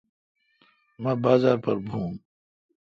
مہ بازار پر بھون۔